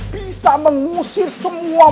bisa mengusir semua